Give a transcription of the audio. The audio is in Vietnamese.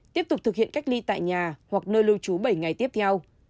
tiếp tục thực hiện cách ly tại nhà hoặc nơi lưu trú bảy ngày tiếp theo